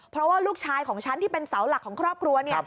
เพราะว่าลูกชายของฉันที่เป็นเสาหลักของครอบครัวเนี่ย